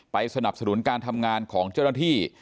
สนับสนุนการทำงานของเจ้าหน้าที่